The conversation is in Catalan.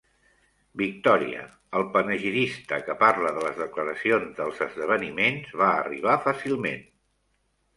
Victòria, el panegirista que parla de les declaracions dels esdeveniments, va arribar fàcilment.